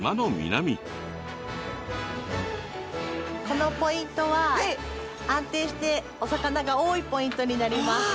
このポイントは安定してお魚が多いポイントになります。